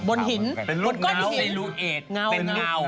เป็นรูปเหงา